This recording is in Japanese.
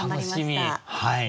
はい。